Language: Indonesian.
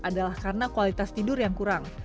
adalah karena kualitas tidur yang kurang